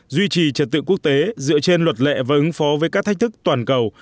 duy trì trật tự quốc tế dựa trên luật lệ và ứng phó với các thách thức toàn cầu